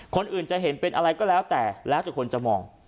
คนอื่นจะเห็นเป็นอะไรก็แล้วแต่แล้วแต่คนจะมอง